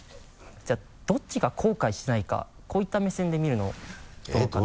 じゃあどっちが後悔しないかこういった目線で見るのはどうかな？